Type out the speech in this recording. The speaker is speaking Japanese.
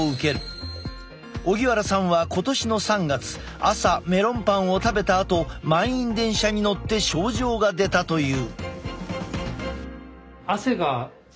荻原さんは今年の３月朝メロンパンを食べたあと満員電車に乗って症状が出たという。